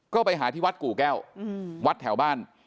ก็ไปหาที่วัดกู่แก้ววัดแถวบ้าน